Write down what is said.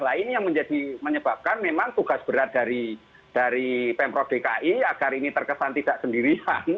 nah ini yang menyebabkan memang tugas berat dari pemprov dki agar ini terkesan tidak sendirian